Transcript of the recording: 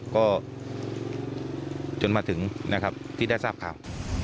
ก็จนมาถึงนะครับที่ได้ทราบข่าว